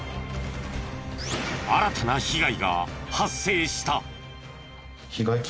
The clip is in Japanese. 新たな被害が発生した。